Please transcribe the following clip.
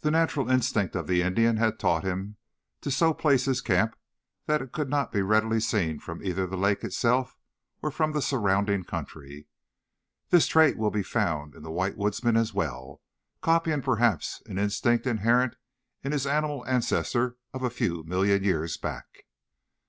The natural instinct of the Indian had taught him to so place his camp that it could not be readily seen from either the lake itself or from the surrounding country. This trait will be found in the white woodsman as well, copying perhaps an instinct inherent in his animal ancestor of a few million years back.